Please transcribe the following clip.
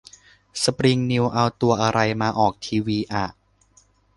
สปริงนิวส์เอาตัวอะไรมาออกทีวีอ่ะ